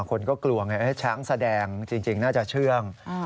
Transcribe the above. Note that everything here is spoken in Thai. คนก็กลัวไงช้างแสดงจริงน่าจะเชื่อง